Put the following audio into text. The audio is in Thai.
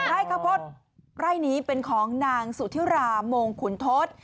ไร่ข้าวโพดไร่นี้เป็นของนางสุธิรามงขุนทศ